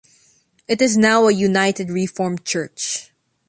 It is now a United Reformed Church.